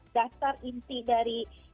dasar inti dari